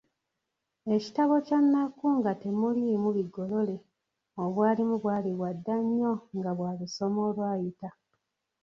Ekitabo kya Nnakku nga temuliimu bigolole obwalimu bwali bwadda nnyo nga bwa lusoma olwayita.